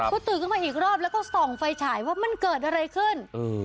ก็ตื่นขึ้นมาอีกรอบแล้วก็ส่องไฟฉายว่ามันเกิดอะไรขึ้น